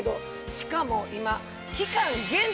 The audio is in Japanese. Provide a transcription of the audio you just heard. しかも今。